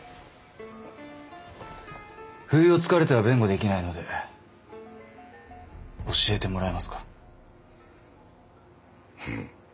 不意を突かれては弁護できないので教えてもらえますか。